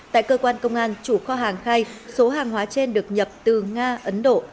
tại cơ quan công an chủ kho hàng khai số hàng hóa trên được nhập từ nga ấn độ